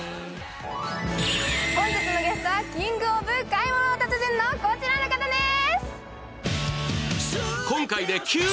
本日のゲストはキング・オブ買い物の達人のこちらの方です。